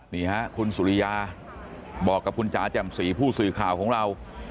นี่ฮะคุณสุริยาบอกกับคุณจ๋าแจ่มสีผู้สื่อข่าวของเรา